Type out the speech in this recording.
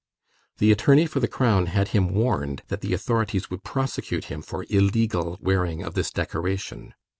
The Attorney for the Crown had him warned that the authorities would prosecute him for "illegal" wearing of this decoration.